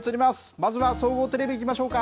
まずは総合テレビいきましょうか。